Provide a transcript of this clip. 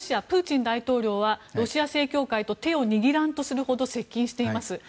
一方、ロシアのプーチン大統領はロシア正教会と手を握らんとするほど接近しています。